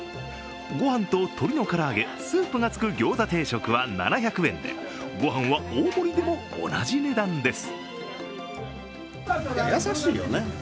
ご飯と鶏の唐揚げ、スープがつくギョーザ定食は７００円でご飯は大盛りでも同じ値段です。